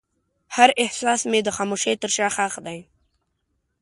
هر احساس مې د خاموشۍ تر شا ښخ دی.